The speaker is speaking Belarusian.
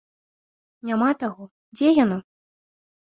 Няма таго, дзе яно?